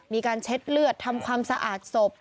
เช็ดเลือดทำความสะอาดศพ